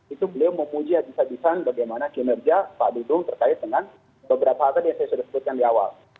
itu beliau memuji habis habisan bagaimana kinerja pak dudung terkait dengan beberapa hal tadi yang saya sudah sebutkan di awal